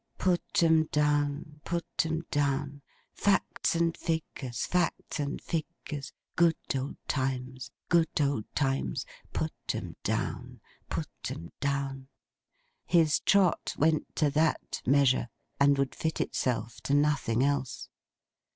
'Put 'em down, Put 'em down! Facts and Figures, Facts and Figures! Good old Times, Good old Times! Put 'em down, Put 'em down!'—his trot went to that measure, and would fit itself to nothing else.